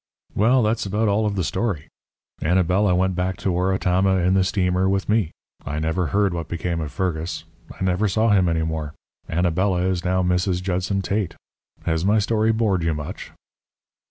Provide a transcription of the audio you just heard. "Well, that's about all of the story. Anabela went back to Oratama in the steamer with me. I never heard what became of Fergus. I never saw him any more. Anabela is now Mrs. Judson Tate. Has my story bored you much?"